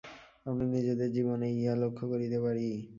আমরা নিজেদের জীবনেই ইহা লক্ষ্য করিতে পারি।